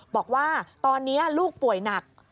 บอกว่าตอนนี้ลูกป่วยหนัก